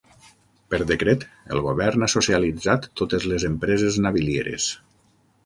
Per decret, el govern ha socialitzat totes les empreses navilieres.